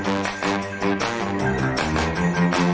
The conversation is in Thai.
สวัสดีค่ะ